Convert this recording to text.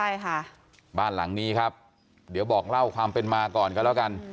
ใช่ค่ะบ้านหลังนี้ครับเดี๋ยวบอกเล่าความเป็นมาก่อนกันแล้วกัน